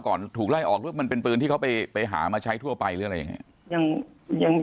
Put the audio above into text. ก่อนถูกไล่ออกมันเป็นปืนที่เขาไปหามาใช้ทั่วไปหรืออะไรยังไง